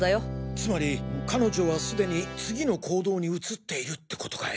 つまり彼女はすでに次の行動に移っているって事かい？